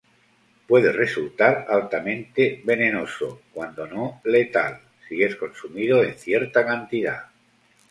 Puede resultar altamente venenoso, cuando no letal, si es consumido en cierta cantidad.